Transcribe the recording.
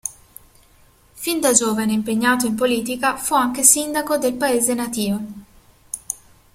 Fin da giovane impegnato in politica fu anche sindaco del paese natìo.